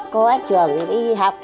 có trường đi học